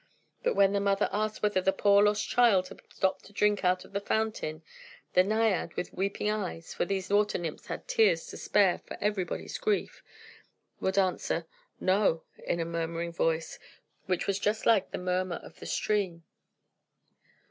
But when the mother asked whether her poor lost child had stopped to drink out of the fountain, the naiad, with weeping eyes (for these water nymphs had tears to spare for everybody's grief), would answer, "No!" in a murmuring voice, which was just like the murmur of the stream.